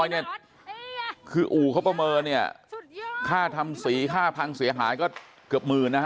ให้พวกสูบชาวบ้านดีกว่าข้าวทำสีข้าวพังเสียหายก็เกือบหมื่นนะฮะ